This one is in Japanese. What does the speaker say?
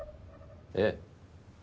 ええ。